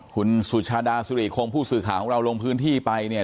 คุณสุชาดาสุริคงผู้สื่อข่าวของเราลงพื้นที่ไปเนี่ย